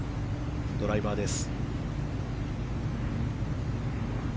ドライバーです。